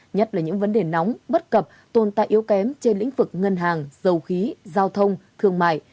nhất là những vấn đề nóng bất cập tồn tại yếu kém trên lĩnh vực ngân hàng dầu khí giao thông thương mại